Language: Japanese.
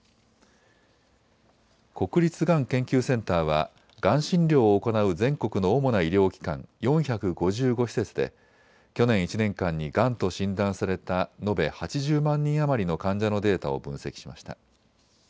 国立がん研究センターはがん診療を行う全国の主な医療機関４５５施設で去年１年間にがんと診断された延べ８０万人余りの患者のデータを分析しました。